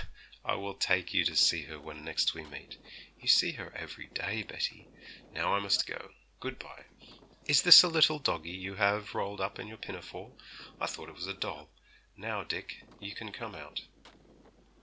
'I will take you to see her when next we meet. You see her every day, Betty. Now I must go. Good bye. Is this a little doggie you have rolled up in your pinafore? I thought it was a doll. Now, Dick, you can come out.'